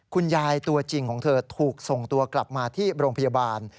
ตัวจริงของเธอถูกส่งตัวกลับมาที่โรงพยาบาล